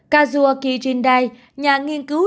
kazuaki jindai nhà nghiên cứu